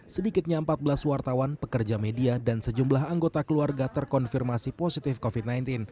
sedikitnya empat belas wartawan pekerja media dan sejumlah anggota keluarga terkonfirmasi positif covid sembilan belas